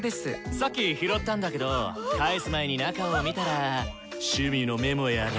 さっき拾ったんだけど返す前に中を見たら趣味のメモやら。